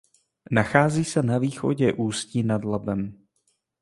Nachází se na východě Ústí nad Labem.